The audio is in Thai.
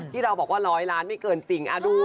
ที่เราบอกว่า๑๐๐ล้านไม่เกินจริงดู